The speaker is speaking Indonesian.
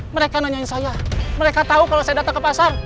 mereka nanyain saya mereka tahu kalau saya datang ke pasar